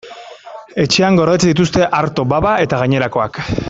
Etxean gordetzen dituzte arto, baba eta gainerakoak.